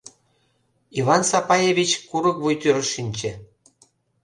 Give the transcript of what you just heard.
Иван Сапаевич курык вуй тӱрыш шинче.